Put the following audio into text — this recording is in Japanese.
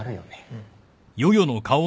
うん。